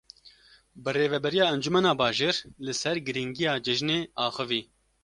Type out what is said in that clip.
Birêveberiya Encumena Bajêr li ser girîngiya cejinê axivî.